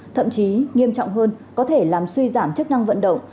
thậm chí nghiêm trọng hơn có thể làm suy giảm chức năng vận động